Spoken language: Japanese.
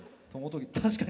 確かに。